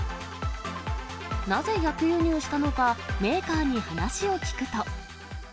なぜ逆輸入したのか、メーカーに話を聞くと。